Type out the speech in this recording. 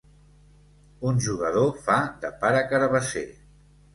Un jugador fa de pare Carabasser.